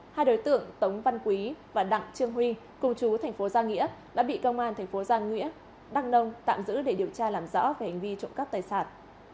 hai đối tượng tống văn quý và đặng trương huy cùng chú thành phố giang nghĩa đã bị công an thành phố giang nghĩa đăng nông tạm giữ để điều tra làm rõ về hành vi trộm cắp tài sản